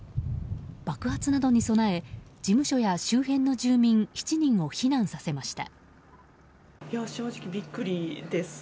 爆発などに備え事務所や周辺の住民７人を避難させました。